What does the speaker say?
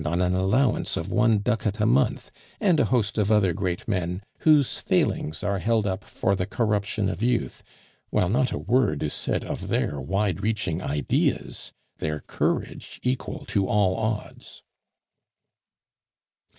on an allowance of one ducat a month, and a host of other great men whose failings are held up for the corruption of youth, while not a word is said of their wide reaching ideas, their courage equal to all odds.